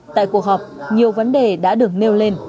tại cuộc họp nhiều vấn đề đã được nêu lên